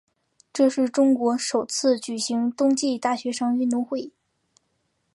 这是中国首次举行冬季大学生运动会。